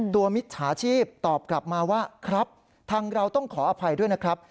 มิจฉาชีพตอบกลับมาว่าครับทางเราต้องขออภัยด้วยนะครับ